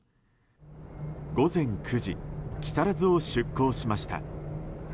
午前９時木更津を出港しました。